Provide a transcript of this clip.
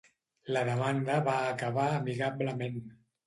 La demanda va acabar amigablement.